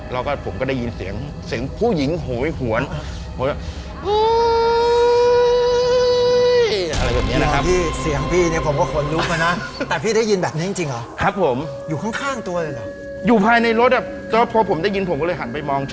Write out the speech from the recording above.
แล้วก็ผมก็ได้ยินเสียงเสียงผู้หญิงโหยหวน